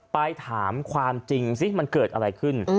ไปถามความจริงซิมันเกิดอะไรขึ้น